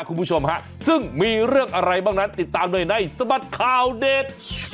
คุณผู้ชมฮะซึ่งมีเรื่องอะไรบ้างนั้นติดตามเลยในสบัดข่าวเด็ด